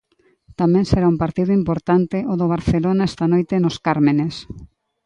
Tamén será un partido importante o do Barcelona esta noite nos Cármenes.